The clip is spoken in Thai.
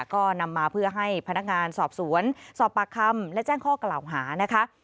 ก็นำมาเพื่อให้พนักงานสอบสวนสอบปากคำและแจ้งข้อกล่าวหานะคะ